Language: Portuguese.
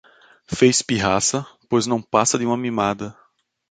Fez pirraça, pois não passa de uma mimada